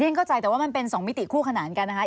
เข้าใจแต่ว่ามันเป็น๒มิติคู่ขนานกันนะคะ